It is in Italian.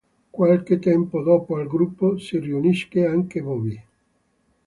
Qualche tempo dopo al gruppo si riunisce anche Bobby.